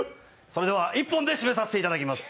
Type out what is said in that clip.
それでは一本で締めさせていただきます。